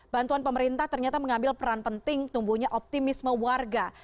bantuan pemerintah ternyata mengambil peran penting tumbuhnya optimisme warga